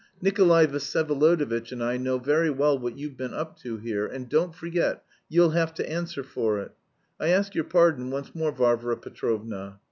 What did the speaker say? Nikolay Vsyevolodovitch and I know very well what you've been up to here, and, don't forget, you'll have to answer for it. I ask your pardon once more, Varvara Petrovna.